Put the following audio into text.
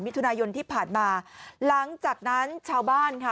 มิถุนายนที่ผ่านมาหลังจากนั้นชาวบ้านค่ะ